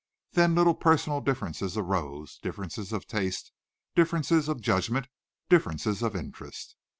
Then little personal differences arose, differences of taste, differences of judgment, differences of interest.